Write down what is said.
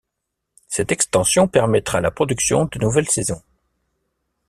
Cette extension permettra la production de nouvelles saisons.